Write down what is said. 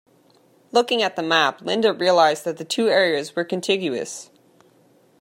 Looking at the map, Linda realised that the two areas were contiguous.